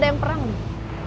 agama tersebut algo nidente